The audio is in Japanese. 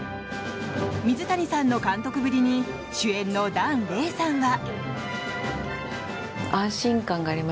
水谷さんの監督ぶりに主演の檀れいさんは。